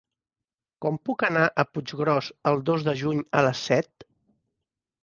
Com puc anar a Puiggròs el dos de juny a les set?